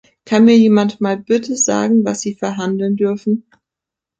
Kann mir jemand mal bitte sagen, was sie verhandeln dürfen?